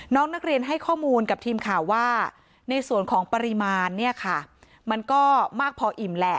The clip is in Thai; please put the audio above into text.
น้องนักเรียนให้ข้อมูลกับทีมข่าวว่าในส่วนของปริมาณเนี่ยค่ะมันก็มากพออิ่มแหละ